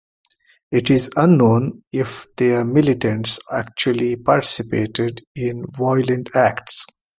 It is unknown if their militants actually participated in violent acts.